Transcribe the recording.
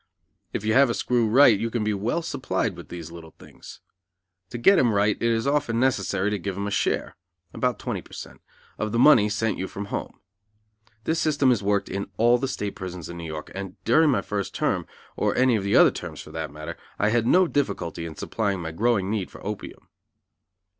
If you have a screw "right," you can be well supplied with these little things. To get him "right" it is often necessary to give him a share about twenty per cent of the money sent you from home. This system is worked in all the State prisons in New York, and during my first term, or any of the other terms for that matter, I had no difficulty in supplying my growing need for opium.